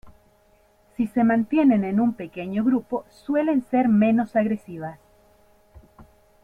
Si se mantienen en un pequeño grupo suelen ser menos agresivas.